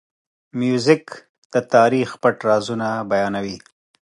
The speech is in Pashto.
موزیک د تاریخ پټ رازونه بیانوي.